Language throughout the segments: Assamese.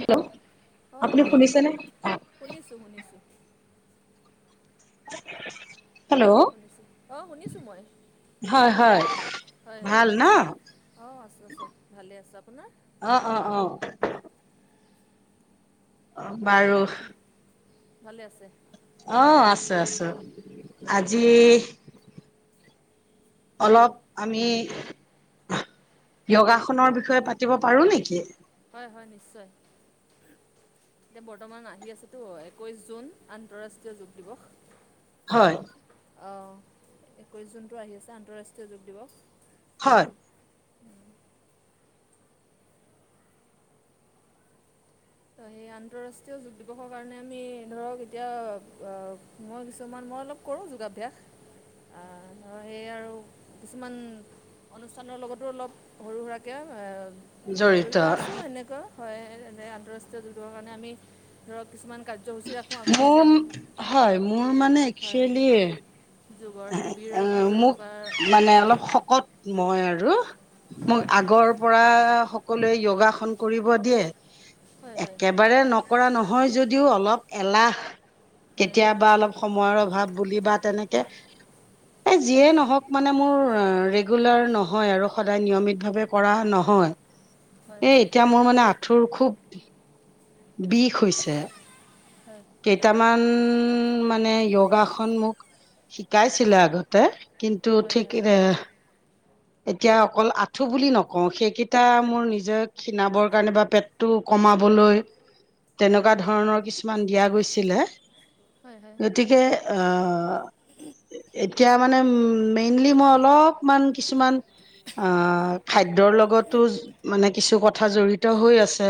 হেল্ল' অঁ আপুনি হয় শুনিছেনে? শুনিছোঁ শুনিছোঁ [unintelligible] শুনিছো আহ শুনিছো মই হয় হয় হয় ভাল ন? আহ আছো আছো ভালে আছ আপোনাৰ। অ অ অ অ বাৰু। ভালে আছে। আহ আছো আছো আজি। অলপ আমি যোগাসনৰ বিষয়ে পাতিব পাৰো নেকি হয় হয় নিশ্চয় এতিয়া বৰ্তমান আহি আছেতো একৈছ জুন আন্তঃৰাষ্ট্ৰীয় যোগ দিৱস। হয়। অঁ একৈছ জুনটো আহি আছে আন্তঃৰাষ্ট্ৰীয় যোগ দিৱস। হয়। ত সেই আন্তঃৰাষ্ট্ৰীয় যোগ দিৱসৰ কাৰণে আমি ধৰক এতিয়া মই কিছুমান মই অলপ কৰোঁ যোগাভ্যাস ধৰক সেই আৰু কিছুমান অনুষ্ঠানৰ লগতো অলপ সৰু সুৰাকে। জড়িত আছো এনেকুৱা। হয় এনে আদ্ৰ। যোগৰ কাৰণে আমি ধৰক কিছুমান। কাৰ্যসূচী ৰাখোঁ আগতীয়াকৈ মোৰ হয় মোৰ মা হয় একচোয়েলি যোগৰ শিবিৰ অ শিবিৰ মোক এনেকুৱা মানে হয় অলপ শকত মই আৰু ৰু মই হয় আগৰ পৰা সকলোৱে যোগাসন কৰিব দিয়ে। হয় হয় একেবাৰে নকৰা নহয় যদি দিও অলপ এলাহ হয় হয় কেতিয়াবা অলপ সময়ৰ অভাৱ বুলি বা তেনেকে এই যিয়ে নহওক মানে মোৰ ৰেগুলাৰ নহয় আৰু সদায় নিয়মিতভাৱে কৰা নহয়। হয় এ এতিয়া মোৰ মানে আ থুৰ খুব বিষ হৈছে। কেইটামান উম মানে য়োগাসন মোক শিকাইছিলে আগতে কিন্তু হয় হয় হয় হয় হয় হয় হয় হয় ঠিক এ এতিয়া অকল আঁঠু বুলি নকও সেইকেইটা মোৰ নিজ নিজ খীণাবৰ কাৰণে বা পেটটো কমাবলৈ তেনেকুৱা ধৰণৰ কিছুমান দিয়া গৈছে। চিলে গতিকে এতিয়া মানে মেইনলি মই অলপমান কিছুমান খাদ্যৰ লগতো মানে কিছু কথা জড়িত হৈ আছে।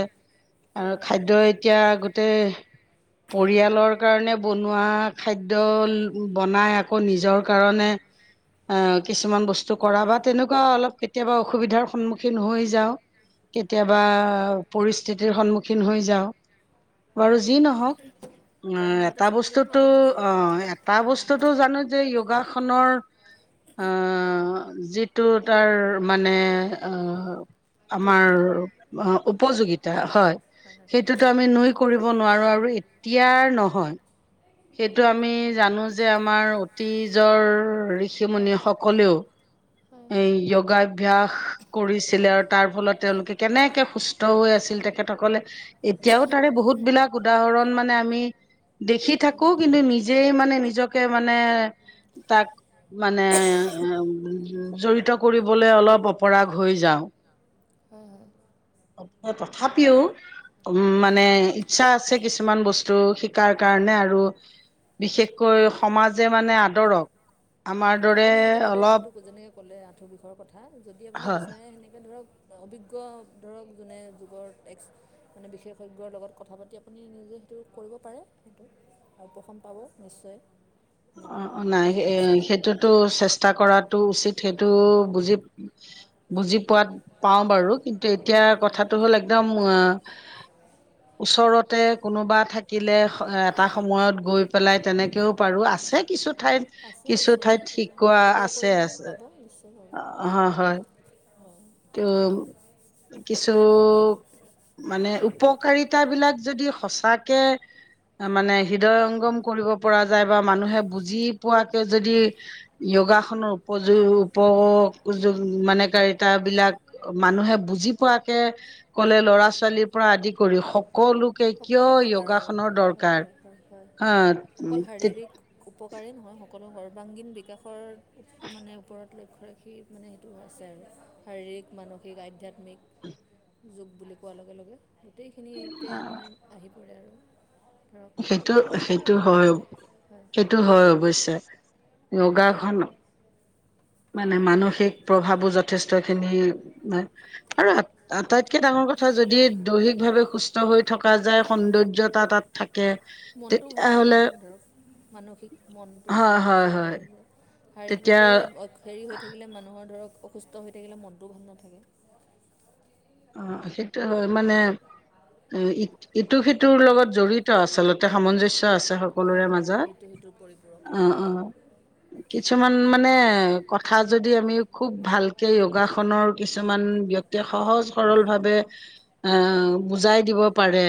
হয় আৰু খাদ্যই এতিয়া গোতে পৰিয়ালৰ কাৰণে বনোৱা খাদ্য বনাই আকৌ নিজৰ কাৰণে আহ কিছুমান বস্তু কৰা বা তেনেকুৱা অলপ কেতিয়াবা অসুবিধাৰ সন্মুখীন হৈ যাওঁ। হয় কেতিয়াবা হয় পৰিচ স্থিতিৰ সন্মুখীন হৈ যাওঁ। হয় বাৰু যি নহওক অ তাৰ মাজতে এটা চাব লাগিব বস্তুতো আৰু নিজৰ অ এটা নিজৰ বস্তুতটো জানো যে য়োগা খনৰ যিটো তাৰ মানে অহ আমাৰ উপযোগিতা হয় অ উপযোগিতা হয়। হয় সেইটোতো আমি নুই কৰিব ব নোৱাৰো আৰু এতিয়াৰ নহয়। সেইটো আমি জানো যে আমাৰ অতীজৰ হয় ঋষিমনি হয় সকলেও হয় এ য়োগাঅভ্যাস কৰিছিলে আৰু তাৰ ফলত তেওঁলোকে কেনেকে সুস্থ হৈ আছিল তেখেতসকলে এতিয়াও তাৰে বহুত বিলাক উদাহৰণ মানে আমি দেখি থাকো কিন্তু নিজেই মানে নিজকে মানে তাক মানে জড়িত কৰিবলৈ অলপ অপৰাগ হৈ যাওঁ। হয় হয়। অ' তথাপিও মানে ইচ্ছা আছে কিছুমান বস্তু শিকাৰ কাৰণে আৰু। বিশেষকৈ, সমাজে মানে আদৰক। আমাৰ দৰে, আপুনি যিটো ক'লে যিটো অলপ। যেনেকৈ ক'লে আঁঠু বিষৰ কথা। কথা, যদি আপুনি হয় বিচাৰে সেনেকৈ ধৰক। অভিজ্ঞ ধৰক যোনে যুগৰ এক্স, মানে বিশেষজ্ঞৰ লগত কথা পাতি আপুনি নিজে সেইটো কৰিব পাৰে। সেইটো আৰু উপশম পাব নিশ্চয়। এনেকৈ অ' অ' নাই যদি বিচাৰে এ-সেইটোত টো চেষ্টা কৰাটো উচিত। সেইটো, বুজি- বুজি পোৱাত পাওঁ বাৰু। কিন্তু এতিয়া হয় হয় কথাটো হয় হ'ল একদম আ ওচৰতে কোনোবা থাকিলে, এটা সময়ত গৈ পেলাই তেনেকেও হয় পাৰো, হয় হয় আছে। কিছু ঠাইত, আছে কিছু ওচৰে ঠাইত পাঁজৰে শিকোৱা খবৰ আছে কৰিলে আছে। পাব নিশ্চয় পাব হ-হয়। হয় ত' কিছু, মানে উপকাৰিতাবিলাক যদি সঁচাকে, মানে হৃদয়ংগম কৰিব পৰা যায়। বা মানুহে বুজি পোৱাকে যদি, য়োগাখনৰ উপযোগ-উপয মানে উপকাৰিতাবিলাক, মানুহে বুজি পোৱাকে ক'লে ল'ৰা-ছোৱালীৰ পৰা আদি কৰি, সকলো কিয় সকলো প্ৰকাৰৰ য়োগাখনৰ এতিয়া হয় দৰকাৰ? হয় হয় হয় হা অকল শাৰীৰিক উপকাৰেই নহয় সকলো সৰ্বাংগীন বিকাশৰ মানে ওপৰত লক্ষ্য ৰাখি মানে সেইটো আছে আৰু। শাৰীৰিক, মানসিক, আধ্যাত্মিক মিক যোগ বুলি কোৱাৰ লগে লগে। গোটেইখিনিতে মানে পৰে আৰু ধৰক গোটেইখিনিৰ পৰা সেইটো-সেইটো আমি হয়। হয় সেইটো হয় অৱশ্যে। ধৰা যোগাসন মানে মানসিক প্ৰভাৱো যথেষ্টখিনি। [unintelligible] আৰু আটাইতকে ডাঙৰ কথা যদি, দৈহিকভাৱে সুস্থ হৈ থকা যায় সৌন্দৰ্যতা তাত। থাকে মনটোও ভাল থাকে তেতিয়াহ'লে আমাৰ ধৰক, মানসিক মনটোৰ হয় লগত হয় জড়িত হয় হৈ যায়। তেতিয়া শাৰীৰিকভাৱে হেৰি হৈ থাকিলে মানুহ। অ' ধৰক অসুস্থ হৈ থাকিলে মনটোও ভাল নাথাকে। অ' সেইটো হয় মানে, ই-ইটো সিটোৰ লগত জড়িত আচলতে, সামঞ্জস্য। আছে সকলোৰে হয় হয় হয় মাজত। ইটো সিটোৰ পৰিপূৰক অ' সম্পূৰ্ণ অ' কিছুমান মানে। কথা যদি আমি খুব ভালকে, য়োগাসনৰ কিছুমান ব্যক্তিয়ে সহজ সৰলভাৱে, আ বুজাই দিব পাৰে।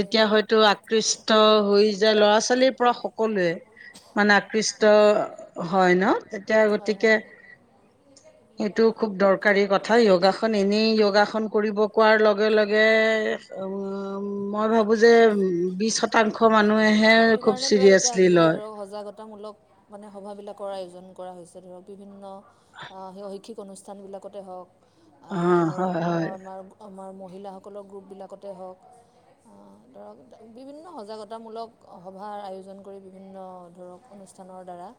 হয় হয়তো আকৃষ্ট হৈ যায় ল'ৰা। ল'ৰা-ছোৱালীৰ পৰা সকলোৱে। মানে হয় আকৃষ্ট হয় ন? তেতিয়া হয় হয় গতিকে, হয় এইটো খুব দৰকাৰী কথা। য়গাসন এনেই য়গাসন। কৰিব কোৱাৰ লগে লগে মই ভাবোঁ যে বিশ শতাংশ মানুহেহে খুব চিৰিয়াছলি লয়। সতামূলক মানে সভাবিলাকৰ আয়োজন কৰা হৈছে ধৰক বিভিন্ন শৈক্ষিক অনুষ্ঠানবিলাকতে হওক। আ অ ধৰক হয় হয় মই আমাৰ আমাৰ মহিলাসকলৰ গ্ৰুপবিলাকতে হওক ধৰক বিভিন্ন সজাগতামূলক সভাৰ আয়োজন কৰি বিভিন্ন। ধৰক অনুষ্ঠানৰ দ্বাৰা।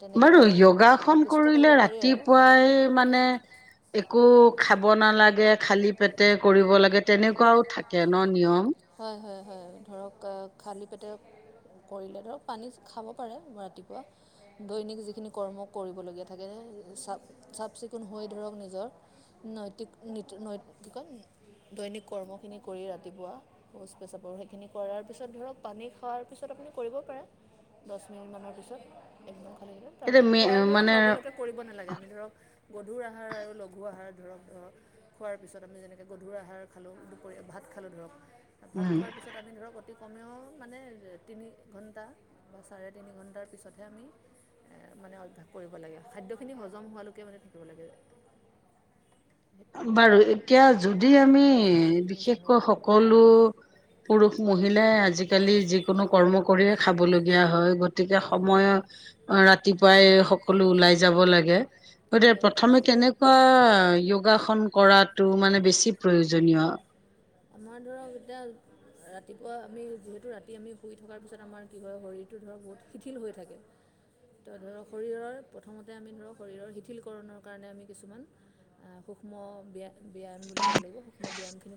তেনেকৈ বাৰু ধৰক য়গাসন আকৃষ্ট কৰিব কৰিলে পাৰি আৰু ৰাতিপুৱাই মানে একো খাব নালাগে। গে খালী পেটে কৰিব লাগে তেনেকুৱাও থাকে ন নিয়ম। হয় হয় হয় ধৰক খালী পেটে কৰিলে ধৰক পানী খাব পাৰে ৰাতিপুৱা দৈনিক যিখিনি কৰ্ম কৰিবলগীয়া থাকে চা চাফ চিকুণ হৈ ধৰক নিজৰ নৈতিক নীতি নৈ কয় দৈনিক কৰ্মখিনি কৰি ৰাতিপুৱা। শৌচ পেচাবৰ সেইখিনি কৰাৰ পিছত ধৰক পানী খোৱাৰ পিছত আপুনি কৰিব পাৰে দহ মিনিটমানৰ পিছত এই। ভাল এতিয়া তাৰপিছত মে খোৱাৰ ধৰক মানে লগে লগে কৰিব নালাগে আমি ধৰক গধুৰ আহাৰ আৰু লঘু আহাৰ। ধৰক ধৰক খোৱাৰ পিছত আমি যেনেকৈ গধুৰ আহাৰ খালোঁ দুপৰীয়া ভাত খালোঁ ধৰক। ভাত উম খোৱাৰ পিছত আমি ধৰক অতি। কমেও মানে তিনি ঘণ্টা বা চাৰে তিনি ঘণ্টাৰ পিছতহে আমি মানে অভ্যাস কৰিব লাগে খাদ্যখিনি হজম হোৱালৈকে মানে থাকিব লাগে। সেইটোৱে বাৰু এতিয়া যদি আমি মই যিমানখিনি জানো বিশেষকৈ আৰু হয় সকলো। হয় পুৰুষ মহিলাই আজিকালি যিকোনো কৰ্ম কৰিয়ে খাবলগীয়া হয়। গতিকে হয় সময় হয় ৰাতিপুৱাই সকলো ওলাই যাব লাগে গতিকে হয় প্ৰথমে কেনেকুৱা। কাসন কৰাটো মানে বেছি প্ৰয়োজনীয়। আমাৰ ধৰক এতিয়া ৰাতিপুৱা আমি যিহেতু ৰাতি আমি শুই থকাৰ পিছত আমাৰ কি হয় শৰীৰটো ধৰক বহুত শিথিল হৈ থাকে তো ধৰক শৰীৰৰ প্ৰথমতে আমি ধৰক শৰীৰৰ শিথিলকৰণৰ কাৰণে আমি কিছুমান সূক্ষ্ম ব্যা। ব্যায়াম বুলি ক'ব লাগিব ব্যায়াম খিনি।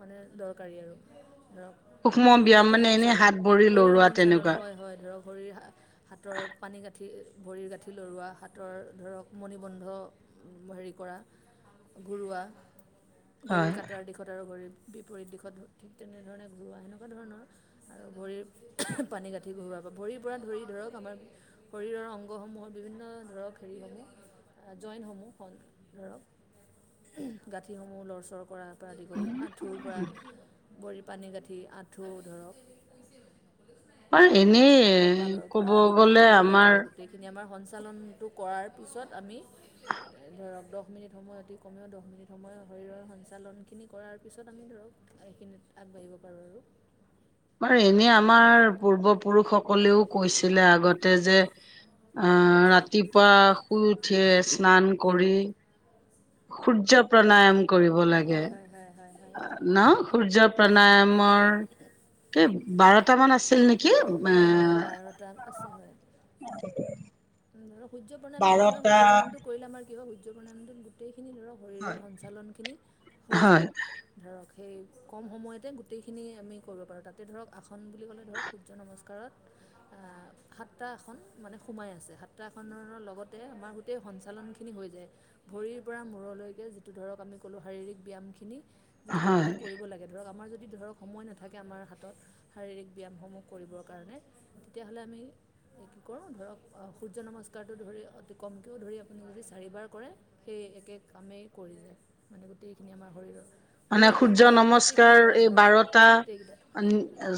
মানে দৰকাৰী আৰু ধৰক সূক্ষ্ম শৰীৰ ব্যায়াম যিটো মানে এনেই সঞ্চালন হাত ভৰি শৰীৰ লৰোৱা সঞ্চালন তেনেকুৱা হয় হয় ধৰক। ভৰিৰ হাতৰ পানী গাঁঠি ভৰিৰ গাঁঠি লৰোৱা হাতৰ ধৰক মণি বন্ধ হেৰি কৰা ঘূুৰোৱা হয় দিশত আৰু ভৰিৰ বিপৰীত দিশত ঠিক তেনেধৰণে ঘূৰৱোৱা সেনেকুৱা ধৰণৰ আৰু ভৰিৰ পানী গাঁঠি ঘূৰাৰ ভৰিৰ পৰা ধৰি ধৰক আমাৰ শৰীৰৰ অংগসমূহৰ বিভিন্ন ধৰক হেৰিসমূহ জইণ্টসমূহ ধৰক গাঁঠিসমূহ লৰচৰ কৰা পৰা আদি কৰি আঁঠুৰ পৰা পানী গাঠি আঁঠু ধৰক হয় এনেই কঁকালৰ পৰা ক'ব আদি কৰি গ'লে মূৰলৈকে আমাৰ আৰু গোটেইখিনি আমাৰ সঞ্চালনটো কৰাৰ পিছত আমি এ, ধৰক দহ মিনিট সময় অতি কমেও দহ মিনিট সময় শৰীৰৰ সঞ্চালনখিনি কৰাৰ পিছত আমি ধৰক এইখিনিত আগবাঢ়িব পাৰোঁ আৰু বাৰু এনেই আমাৰ পূৰ্বপুৰুষসকলেও কৈছিলে আগতে যে আহ ৰাতিপুৱা শুই উঠে স্নান কৰি সূৰ্য প্ৰণায়াম কৰিব লাগে হয় হয় হয় হয় হয় ন হয় সূৰ্য হয় হয় হয় প্ৰণায়মৰ ব ত মানে আছে আছিল নেকি আ হয় হয় বাৰটা [unintelligible] সূৰ্য্য প্ৰণামটো কিয় সূৰ্য্য প্ৰণামটো কৰিলে আমাৰ কি হয় জগনান্দত গোটেই খিনি ধৰক শৰীৰৰ সঞ্চালনখিনি হৈ হয় যায় ধৰক সেই কম সময়তে গোটেইখিনি আমি কৰিব পাৰোঁ তাতে ধৰক আসন বুলি ক'লে ধৰক সূৰ্য নমস্কাৰত সাতটা আসন মানে সোমাই আছে। যাত্ৰাখনৰ লগতে আমাৰ গোটেই সঞ্চালনখিনি হৈ যায় ভৰিৰ পৰা মূৰলৈকে যিটো ধৰক আমি ক'লোঁ শাৰীৰিক ব্যায়ামখিনি। যিটো এটা হয় কৰিব লাগে ধৰক আমাৰ যদি যদি ধৰক সময় নাথাকে আমাৰ হাতত শাৰীৰিক ব্যায়ামসমূহ কৰিবৰ কাৰণে তেতিয়াহ'লে আমি কি কৰোঁ ধৰক সূৰ্য নমস্কাৰটো ধৰি অতি কমকৈও ধৰি আপুনি যদি চাৰিবাৰ কৰে সেই একে কামেই কৰি যায় মানে গোটেইখিনি আমাৰ শৰীৰৰ মানে ভৰিৰ পৰা সূৰ্য মূৰলৈকে গোটেইখিনি নমস্কাৰ হয় এই হয় বাৰটা গোটেইকেইটা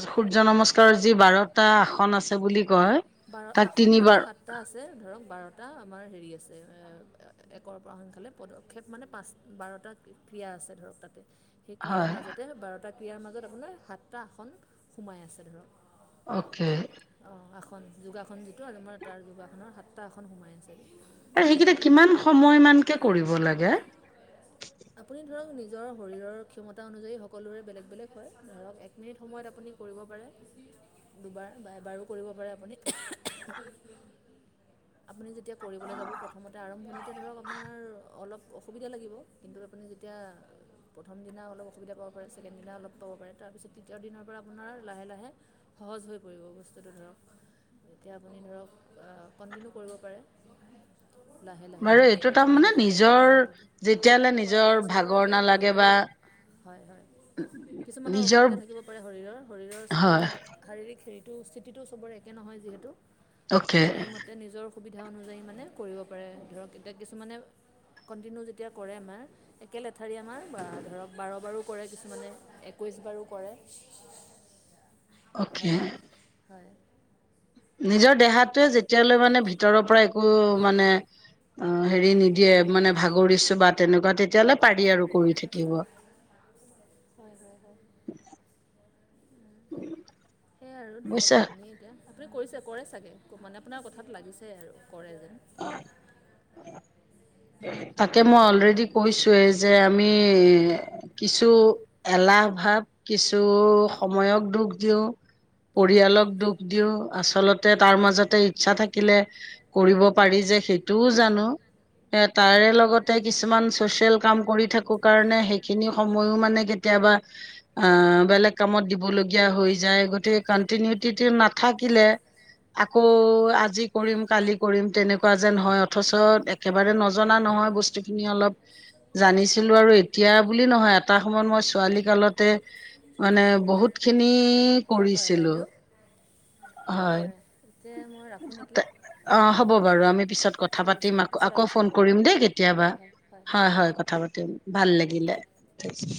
সূৰ্য নমস্কাৰৰ যি বাৰ এটা আসন আছে বুলি কয় বাৰ তাক আসন তাতে তিনিবাৰ সাতটা আছে ধৰক বাৰটা এটা আমাৰ হেৰি আছে একৰ পৰা সংখ্যালৈ পদক্ষেপ মানে পাঁচ বাৰটা ক্ৰিয়া আছে ধৰক তাতে সেই হয় ক্ৰিয়াৰ মাজতে বাৰটা ক্ৰিয়াৰ মাজত আপোনাৰ সাতটা আসন সোমাই আছে ধৰক অকে এখন যোগাসন যিটো আৰু তোমাৰ তাৰ যোগাসনৰ সাতটা আখন সোমাই আছিল। আৰু সেইকেইটা কিমান সময় মানকে কৰিব লাগে আপুনি ধৰক নিজৰ শৰীৰৰ ক্ষমতা অনুযায়ী সকলোৰে বেলেগ বেলেগ হয় ধৰক এক মিনিট সময়ত আপুনি কৰিব পাৰে দুবাৰ বা এবাৰো কৰিব পাৰে আপুনি আপুনি যেতিয়া কৰিবলৈ যাব প্ৰথমতে আৰম্ভণিতে ধৰক আপোনাৰ অলপ অসুবিধা লাগিব কিন্তু আপুনি যেতিয়া প্ৰথম দিনা অলপ অসুবিধা পাব পাৰে ছেকেণ্ড দিনা অলপ পাব পাৰে তাৰপিছত তৃতীয় দিনৰ পৰা আপোনাৰ লাহে লাহে সহজ হৈ পৰিব বস্তুটো ধৰক তেতিয়া আপুনি ধৰক কণ্টিনিউ কৰিব পাৰে। লাহে লাহে বাৰু আমি এইটো উশাহ তাৰমানে নিশাহৰ ওপৰত নিজৰ গুৰুত্ব দিওঁ। যেতিয়ালে হয় নিজৰ হয় চবৰে ভাগৰ ধৰক নালাগে বা শৰীৰৰ হয় হয় কিছুমানৰ নিজৰ অসুবিধা থাকিব পাৰে শৰীৰৰ শৰীৰৰ চবৰে হয় শাৰীৰিক হেৰিটো স্থিতিটো চবৰে একে নহয় যিহেতু অকে ত সেইমতে নিজৰ সুবিধা অনুযায়ী মানে কৰিব পাৰে ধৰক এতিয়া কিছুমানে কণ্টিনিউ এয়া কৰে আমাৰ একে লেথাৰী আমাৰ ধৰক বাৰ বাৰো কৰে কিছুমানে একৈশ বাৰো কৰে অকে হয় হয় নিজৰ দেহাটোৱে যেতিয়ালৈ মানে ভিতৰৰ পৰা একো মানে হেৰি নিদিয়ে মানে ভাগৰিছো বা তেনেকুৱা তেতিয়ালৈ পাৰি আৰু কৰি থাকিব হয় হয় হয়। সেইয়াই আৰু ধৰক বুজিছা আপুনি এতিয়া আপুনি কৰিছে কৰে চাগৈ মানে আপোনাৰ কথাটো লাগিছে আৰু কৰে যেন তাকে মই অলৰেডি কৈছোৱেই যে আমি কিছু এলাহ ভাৱ কিছু সময়ক দুখ দিওঁ পৰিয়ালক দুখ দিওঁ আচলতে তাৰ মাজতে ইচ্ছা থাকিলে কৰিব পাৰি যে সেইটোও জানোঁ। এ তাৰে লগতে কিছুমান চচিয়েল কাম কৰি থাকো কাৰণে সেইখিনি সময়ো মানে কেতিয়াবা আহ বেলেগ কামত দিবলগীয়া হৈ যায় গতিকে কন্টিনিউটি নাথাকিলে আকৌ আজি কৰিম কালি কৰিম তেনেকুৱা যেন হয় অথচ একেবাৰে নজনা নহয় বস্তুখিনি অলপ জানিছিলো আৰু এতিয়া বুলি নহয় এটা সময়ত মই ছোৱালী কালতে মানে বহুতখিনি আমি হয় হয় কৰিছিলোঁ বাইদেউ তাকে হয় এতিয়া মই ৰাখোঁ নেকি অ অলপ হ'ব বাৰু আমি পিছত কথা ঠিক আছে পাতিম পিছত আকৌ আলোচনা ফোন কৰিম দিয়ক দেই কেতিয়াবা হয় হয় হয় হয় কথা পাতিম ভাল লা দিলে থ